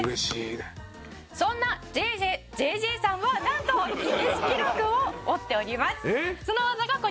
「そんなＪＪＪＪさんはなんとギネス記録を持っております」